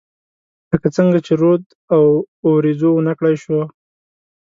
لکه څنګه چې رود او، اوریځو ونه کړای شوه